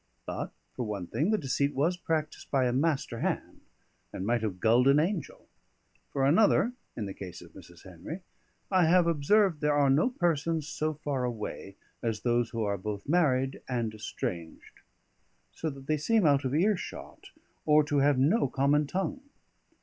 But, for one thing, the deceit was practised by a master hand, and might have gulled an angel. For another (in the case of Mrs. Henry), I have observed there are no persons so far away as those who are both married and estranged, so that they seem out of earshot, or to have no common tongue.